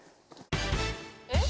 「えっ？」